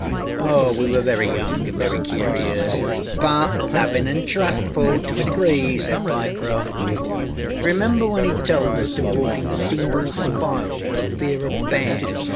We were very young anâ very curious.â â_But_ lovinâ anâ trustful to a degree,â said Pyecroft. âRemember when âe told us to walk in single file for fear oâ bears?